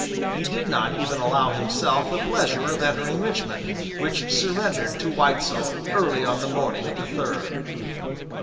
He did not even allow himself the pleasure of entering Richmond, which surrendered to Weitzel early on the morning of the third.